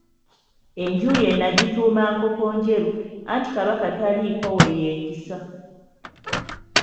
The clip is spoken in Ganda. Enju ye n'agituuma Nkokonjeru, anti Kabaka taliiko we yeekisa.